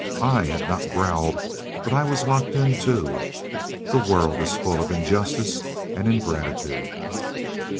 I had not growled, but I was locked in too. The world is full of injustice and ingratitude.